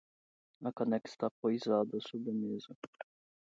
A caneca está poisada sobre a mesa.